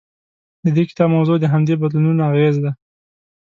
د دې کتاب موضوع د همدې بدلونونو اغېز دی.